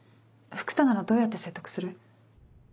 福多ならどうやって説得する？